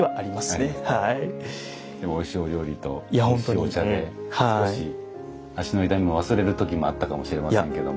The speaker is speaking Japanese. でもおいしいお料理とおいしいお茶で少し足の痛みも忘れる時もあったかもしれませんけども。